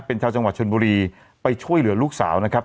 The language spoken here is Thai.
เป็นชาวจังหวัดชนบุรีไปช่วยเหลือลูกสาวนะครับ